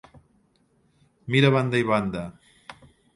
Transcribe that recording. Mira a banda i banda.